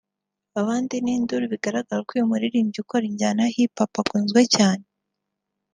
abandi n’induru biragaragara ko uyu muririmbyi ukora injyana ya Hip Hop akunzwe cyane